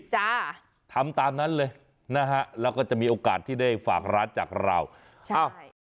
จ้าทำตามนั้นเลยนะฮะแล้วก็จะมีโอกาสที่ได้ฝากร้านจากเราอ้าว